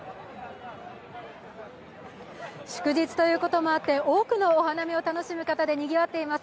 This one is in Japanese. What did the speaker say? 祝日ということもあって、多くのお花見を楽しむ方でにぎわっています